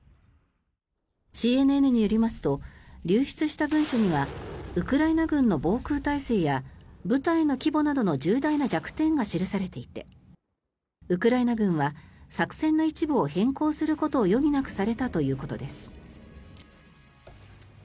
ＣＮＮによりますと流出した文書にはウクライナ軍の防空体制や部隊の規模などの重大な弱点が記されていてウクライナ軍は作戦の一部を変更することを余儀なくされたということです。